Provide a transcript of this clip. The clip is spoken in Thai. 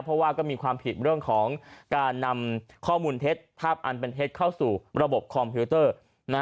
เพราะว่าก็มีความผิดเรื่องของการนำข้อมูลเท็จภาพอันเป็นเท็จเข้าสู่ระบบคอมพิวเตอร์